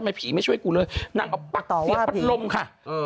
ผีไม่ช่วยกูเลยนางเอาปักเสียพัดลมค่ะ